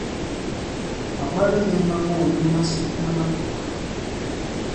Màbwalo mɛ̄ŋ ma ɓoòlom masò ma makɔ̀k.